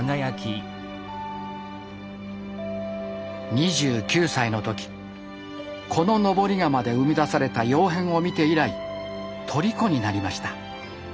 ２９歳の時この登り窯で生み出された窯変を見て以来とりこになりました。